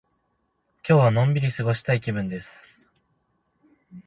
今日はのんびり過ごしたい気分です。